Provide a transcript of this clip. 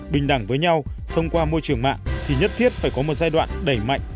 bình đẳng với nhau thông qua môi trường mạng thì nhất thiết phải có một giai đoạn đẩy mạnh